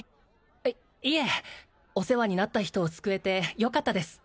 いいえお世話になった人を救えてよかったです